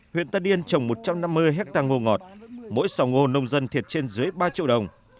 huyện tân yên trồng một trăm năm mươi hectare ngô ngọt mỗi sòng ngô nông dân thiệt trên dưới ba triệu đồng